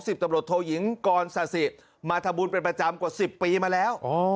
ตำรวจโทยิงกรศาสิมาทำบุญเป็นประจำกว่า๑๐ปีมาแล้ว